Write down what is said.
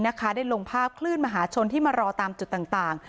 ได้ลงภาพคลื่นมหาชนที่มารอตามจุดต่าง